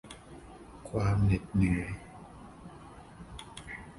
ความเหน็ดเหนื่อย